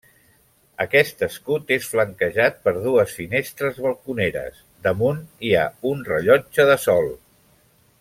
Aquest escut és flanquejat per dues finestres balconeres, damunt hi ha un rellotge de sol.